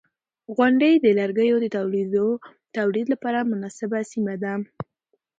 • غونډۍ د لرګیو د تولید لپاره مناسبه سیمه ده.